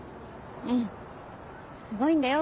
うんすごいんだよ